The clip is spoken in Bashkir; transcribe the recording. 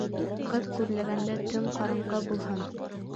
Ҡыҙ күҙләгәндә төн ҡараңғы булһын.